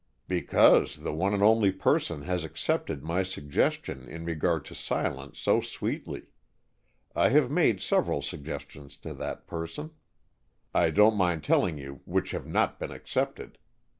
"Because the one and only person has accepted my suggestion in regard to silence so sweetly. I have made several suggestions to that person, I don't mind telling you, which have not been accepted.